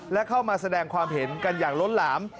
และเข้ามาแสดงความเห็นกันอย่างล้นหลาม